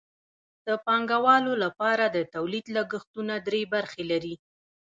د پانګوالو لپاره د تولید لګښتونه درې برخې لري